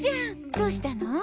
どうしたの？